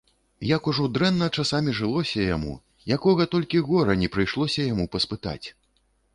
Як ужо дрэнна часамі жылося яму, якога толькі гора не прыйшлося яму паспытаць!